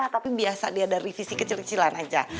tapi biasa dia dari visi kecil kecilan aja